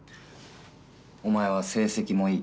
お前は成績もいい。